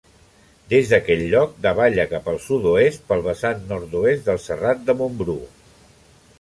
Des d'aquell lloc davalla cap al sud-oest, pel vessant nord-oest del Serrat de Montbrú.